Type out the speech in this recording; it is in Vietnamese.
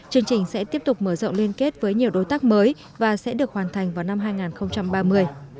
chương trình sẽ tiếp tục mở rộng liên kết với nhiều đối tác mới và sẽ được hoàn thành vào năm hai nghìn ba mươi